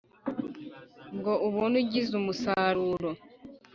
ngo ubone ugwize umusaruro